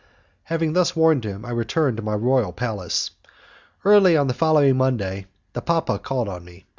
Having thus warned him, I returned to my royal palace. Early on the following Monday, the papa called on me.